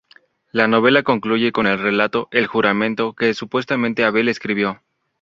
La novela concluye con el relato "El juramento", que supuestamente Abel escribió.